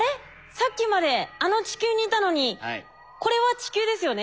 さっきまであの地球にいたのにこれは地球ですよね